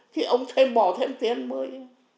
thì ông thêm bỏ thêm tiền mới